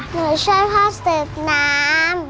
หนูช่วยพ่อสืบน้ำ